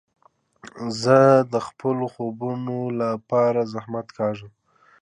زه د خپلو خوبو له پاره زحمت کاږم.